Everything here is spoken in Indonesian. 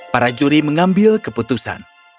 para juri mengambil keputusan